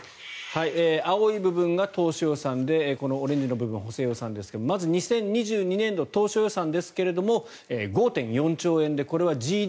青い部分が当初予算で赤い部分が補正予算ですが２０２２年度当初予算ですが５．４兆円で、これはＧＤＰ比